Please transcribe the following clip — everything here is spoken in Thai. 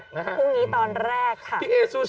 พรุ่งนี้ตอนแรกค่ะพี่แอร์สู้นี่